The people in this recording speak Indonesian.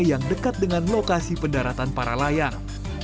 yang dekat dengan lokasi pendaratan para layang